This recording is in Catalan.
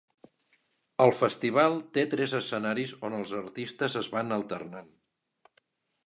El festival té tres escenaris, on els artistes es van alternant.